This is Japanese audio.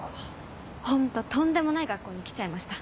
ホントとんでもない学校に来ちゃいました。